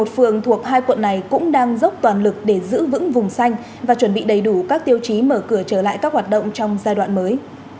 một phường thuộc hai quận này cũng đang dốc toàn lực để giữ vững vùng xanh và chuẩn bị đầy đủ các tiêu chí mở cửa trở lại các hoạt động trong giai đoạn mới